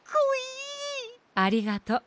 ありがとう。